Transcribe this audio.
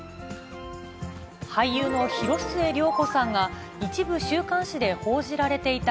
俳優の広末涼子さんが、一部週刊誌で報じられていた